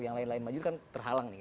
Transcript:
yang lain lain maju kan terhalang nih